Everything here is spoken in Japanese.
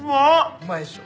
うまいでしょ。